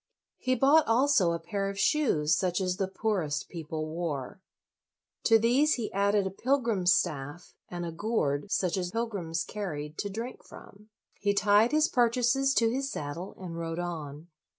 He bought also a pair of shoes such as the poorest people wore. To these he added a pilgrim's staff, and a gourd such as pilgrims carried to drink from. He tied his purchases to his saddle, and rode on.